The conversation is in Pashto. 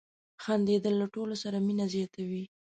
• خندېدل له ټولو سره مینه زیاتوي.